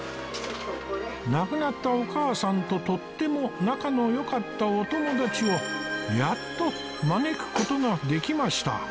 亡くなったお母さんととっても仲の良かったお友達をやっと招く事ができました